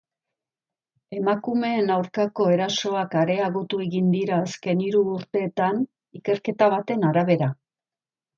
Emakumeen aurkako erasoak areagotu egin dira azken hiru urteetan, ikerketa baten arabera.